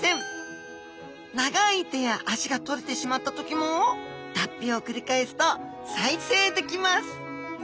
長い手や脚がとれてしまった時も脱皮を繰り返すと再生できます